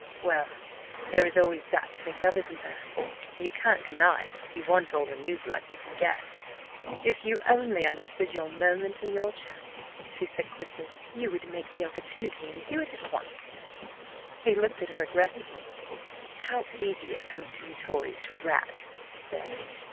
"Well, there is always that to think of, isn't there? You can't deny you want all the new blood you can get!" "If you only understood your moment and your chance," she said quickly, "you would make the opportunity and do it at once." He looked at her aggressively. "How easy it comes to you Tories to rat!" he said.